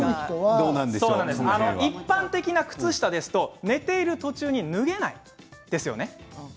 一般的な靴下だと寝ている途中に脱げないんですよね。